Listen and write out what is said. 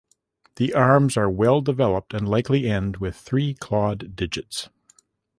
The arms are well developed and likely end with three clawed digits.